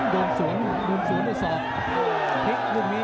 โดนศูนย์โดนศูนย์ที่๒พลิกลุ่มนี้